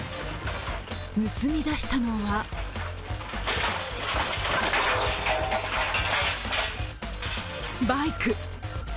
盗み出したのはバイク。